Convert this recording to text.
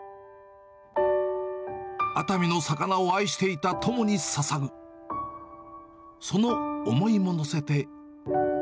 熱海の魚を愛していた友にささぐ、その思いも乗せて。